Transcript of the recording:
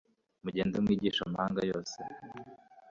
Mugende, mwigishe amahanga yose